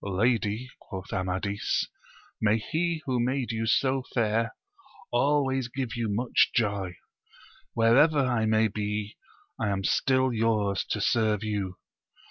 Lady, quoth Amadis, may he who made you so fair, always give you much joy ! wherever I may be, I am still yours to serve you.